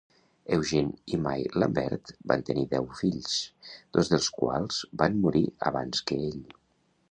Eugene i Mai Lambert van tenir deu fills, dos dels quals van morir abans que ell.